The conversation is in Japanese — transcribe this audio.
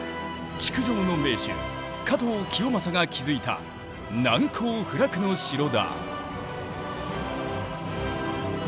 築城の名手加藤清正が築いた難攻不落の城だ。